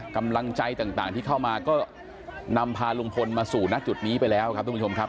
กำลังใจต่างที่เข้ามาก็นำพาลุงพลมาสู่ณจุดนี้ไปแล้วครับทุกผู้ชมครับ